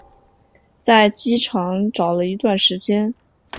在机场找了一段时间